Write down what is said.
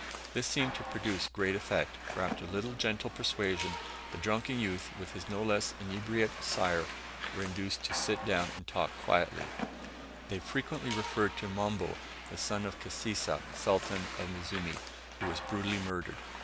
This seemed to produce great effect, for after a little gentle persuasion the drunken youth, and his no less inebriate sire, were induced to sit down to talk quietly. In their conversation with us, they frequently referred to Mombo, the son of Kisesa, Sultan of Muzimu, who was brutally murdered.